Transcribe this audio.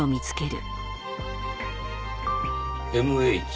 「Ｍ・Ｈ」